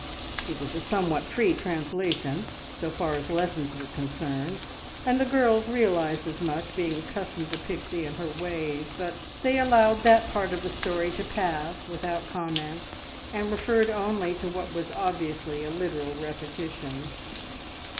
It was a somewhat free translation, so far as lessons were concerned, and the girls realised as much, being accustomed to Pixie and her ways, but they allowed that part of the story to pass without comment, and referred only to what was obviously a literal repetition.